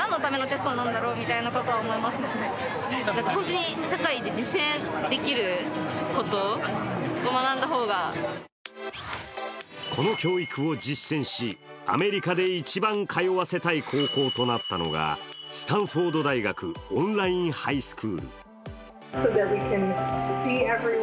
現役の生徒や学生たちからもこの教育を実践し、アメリカで一番通わせたい高校となったのがスタンフォード大学・オンラインハイスクール。